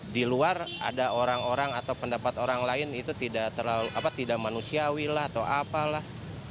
di luar ada orang orang atau pendapat orang lain itu tidak manusiawi lah atau apalah